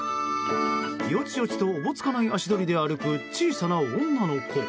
ヨチヨチとおぼつかない足取りで歩く小さな女の子。